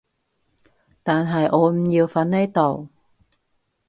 但係我唔要瞓呢度